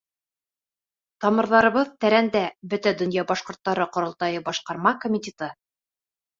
Тамырҙарыбыҙ — тәрәндә Бөтә донъя башҡорттары ҡоролтайы Башҡарма комитеты.